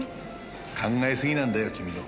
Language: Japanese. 考えすぎなんだよ君の。